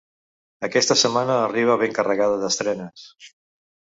Aquesta setmana arriba ben carregada d’estrenes.